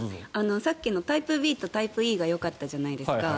さっきのタイプＢとタイプＥがよかったじゃないですか。